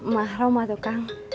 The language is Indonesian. mahrum mah tuh kang